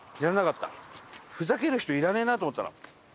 ふざける人いらねえなと思ったの。